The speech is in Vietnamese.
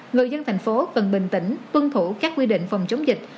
người dân thành phố cần bình tĩnh tuân thủ các quy định phòng chống dịch